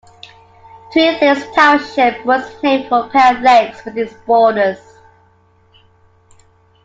Twin Lakes Township was named for a pair of lakes within its borders.